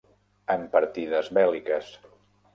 en partides bèl·liques.